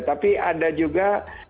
tapi ada juga